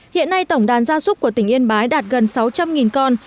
hiện nay tổng đàn gia súc của tỉnh yên bái đạt gần sáu trăm linh con